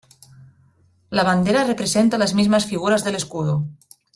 La bandera representa las mismas figuras del escudo.